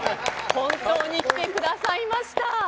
本当に来てくださいました。